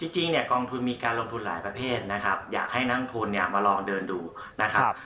จริงเนี่ยกองทุนมีการลงทุนหลายประเภทนะครับอยากให้นักทุนเนี่ยมาลองเดินดูนะครับ